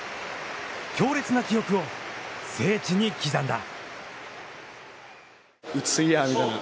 強烈な記憶を聖地に刻んだ。